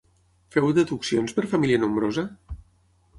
Feu deduccions per família nombrosa?